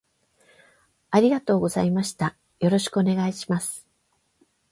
ありがとうございましたよろしくお願いします